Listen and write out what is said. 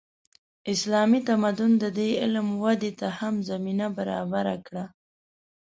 اسلامي تمدن د دې علم ودې ته هم زمینه برابره کړه.